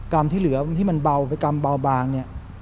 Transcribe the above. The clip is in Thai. ที่เหลือที่มันเบาไปกรรมเบาบางเนี่ย